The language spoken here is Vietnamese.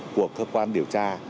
của cơ quan điều tra